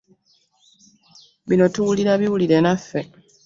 Bino tuwulira biwulire naffe.